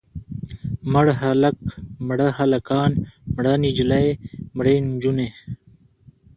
مړ هلک، مړه هلکان، مړه نجلۍ، مړې نجونې.